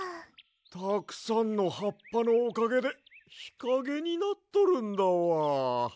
たくさんのはっぱのおかげでひかげになっとるんだわ。